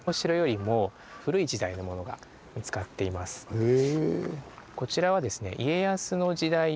へえ。